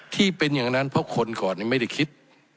ที่เป็นอย่างนั้นเพราะคนก่อนไม่ได้คิด